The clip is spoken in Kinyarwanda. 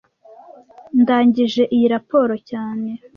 Ndangije iyi raporo cyane